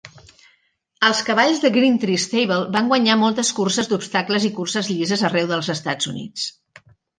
Els cavalls de Greentree Stable van guanyar moltes curses d'obstacles i curses llises arreu dels Estats Units.